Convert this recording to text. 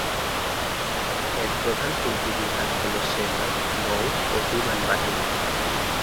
এর প্রধান তিনটি বিভাগ হলো সেনা, নৌ ও বিমান বাহিনী।